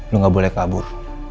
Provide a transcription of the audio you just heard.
lo gak boleh kabur